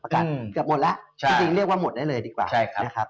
ประกาศเกือบหมดแล้วจริงเรียกว่าหมดได้เลยดีกว่านะครับ